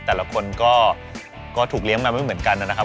แต่ละคนก็ถูกเลี้ยงมาไม่เหมือนกันนะครับ